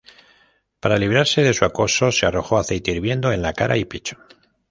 Para librarse de su acoso, se arrojó aceite hirviendo en la cara y pecho.